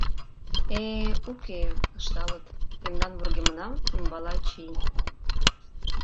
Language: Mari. «Э-э, уке-э, — ышталыт, — мемнан вургемнам ӱмбала чий.